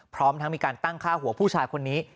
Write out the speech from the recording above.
พร้อมทั้งมีการตั้งค่าหัวผู้ชายคนนี้